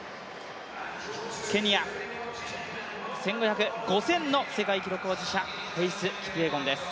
ケニア、１５００、５０００の世界記録を持っているフェイス・キピエゴンです。